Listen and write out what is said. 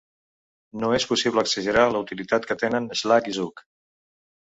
No és possible exagerar la utilitat que tenen Schlag i Zug.